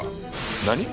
何！？